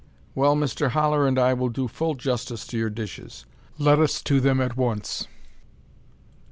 "Well, Mr Haller and I will do full justice to your dishes. Let us to them at once!"